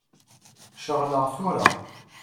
Ceɣleɣ tura.